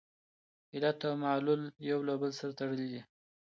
علت او معلول یو له بل سره تړلي دي.